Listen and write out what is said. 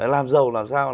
làm giàu làm sao